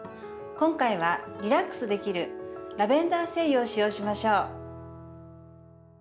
今回は、リラックスできるラベンダー精油を使用しましょう。